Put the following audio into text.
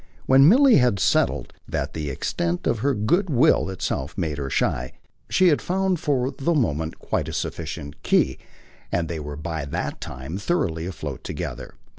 When Milly had settled that the extent of her good will itself made her shy, she had found for the moment quite a sufficient key, and they were by that time thoroughly afloat together.